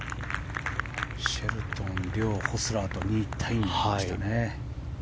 シェルトン遼、ホスラーと２位タイに来ましたね。